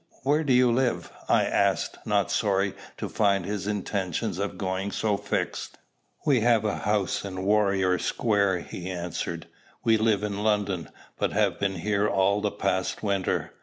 "Where do you live?" I asked, not sorry to find his intention of going so fixed. "We have a house in Warrior Square," he answered. "We live in London, but have been here all the past winter.